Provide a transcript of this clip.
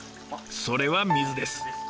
それは水です。